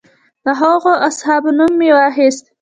د هغو اصحابو نوم مې واخیست.